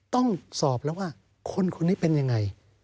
ต้องสอบแล้วว่าคนคนนี้เป็นยังไง